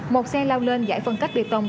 một xe lao lên giải phân cách biệt tông